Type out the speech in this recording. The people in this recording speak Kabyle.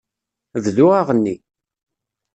Bdu aɣenni.